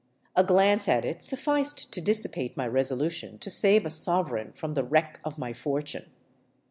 A glance at it sufficed to lissipate my resolution to save a sovereign from the wreck of my for me.